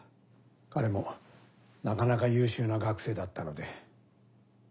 彼もなかなか優秀な学生だったので。